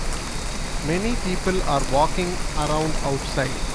Many people are walking around outside.